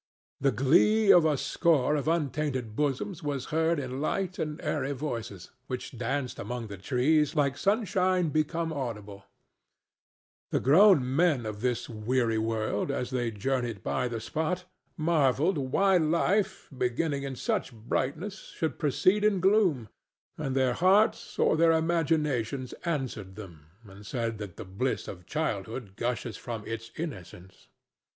The glee of a score of untainted bosoms was heard in light and airy voices, which danced among the trees like sunshine become audible; the grown men of this weary world as they journeyed by the spot marvelled why life, beginning in such brightness, should proceed in gloom, and their hearts or their imaginations answered them and said that the bliss of childhood gushes from its innocence.